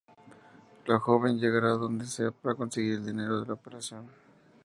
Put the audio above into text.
La joven llegará donde sea para conseguir el dinero para la operación.